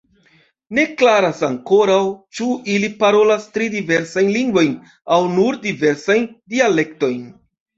Ne klaras ankoraŭ, ĉu ili parolas tri diversajn lingvojn aŭ nur diversajn dialektojn.